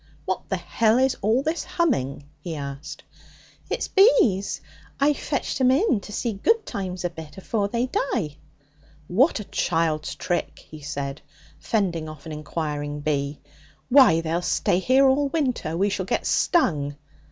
'What the h is all this humming?' he asked. 'It's bees. I've fetched 'em in to see good times a bit afore they die.' 'What a child's trick!' he said, fending off an inquiring bee. 'Why, they'll stay here all winter! We shall get stung.'